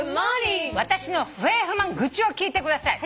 「私の不平不満愚痴を聞いてください。